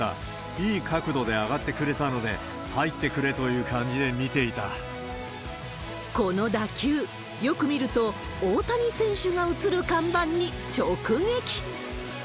いい角度で上がってくれたので、この打球、よく見ると、大谷選手が映る看板に直撃。